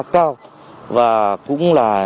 cao và cũng là